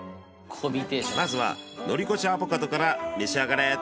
まずは乗り越しアボカドから召し上がれ！